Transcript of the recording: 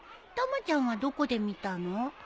たまちゃんはどこで見たの？